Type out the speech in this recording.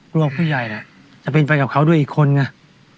ผู้ใหญ่น่ะจะเป็นไปกับเขาด้วยอีกคนไง